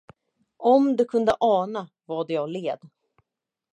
Om du kunde ana, vad jag led.